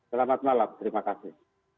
selamat malam terima kasih